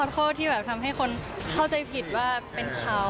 แม่ผมก็ขอโทษที่ทำให้เขาเจอผิดว่าเป็นเขา